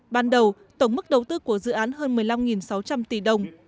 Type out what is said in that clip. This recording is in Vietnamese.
ban đầu tổng mức đầu tư của dự án hơn một mươi năm sáu trăm linh tỷ đồng